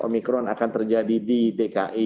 omikron akan terjadi di dki